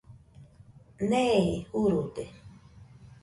Neeji jurude